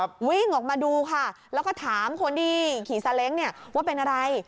วิ่งออกมาดูค่ะแล้วก็ถามคนที่ขี่ซาเล้งเนี่ยว่าเป็นอะไร